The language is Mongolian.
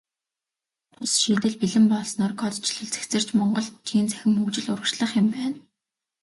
Тус шийдэл бэлэн болсноор кодчилол цэгцэрч, монгол бичгийн цахим хөгжил урагшлах юм байна.